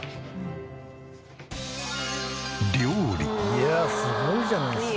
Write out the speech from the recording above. いやすごいじゃないですか。